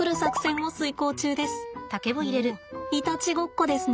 もういたちごっこですね。